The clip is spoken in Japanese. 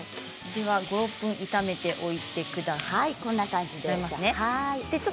５、６分炒めておいてください。